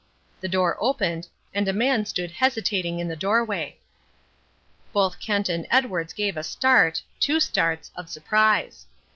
The door opened and a man stood hesitating in the doorway. Both Kent and Edwards gave a start, two starts, of surprise.